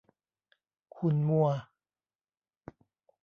ขุ่นมัว